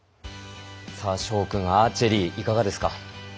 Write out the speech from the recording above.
翔君アーチェリーいかがですか。